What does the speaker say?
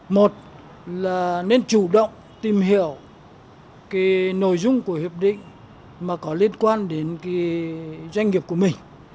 một là nên chủ động tìm hiểu cái nội dung của hiệp định mà có liên quan đến doanh nghiệp của mình